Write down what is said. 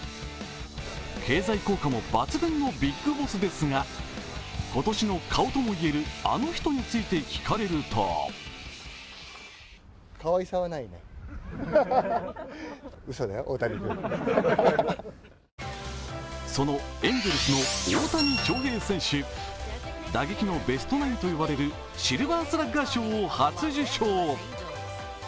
経済効果も抜群のビッグボスですが今年の顔とも言えるあの人について聞かれるとそのエンゼルスの大谷翔平選手打撃のベストナインと呼ばれるシルバースラッガー賞を初受賞。